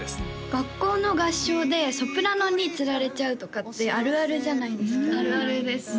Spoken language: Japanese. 学校の合唱でソプラノにつられちゃうとかってあるあるじゃないですかあるあるです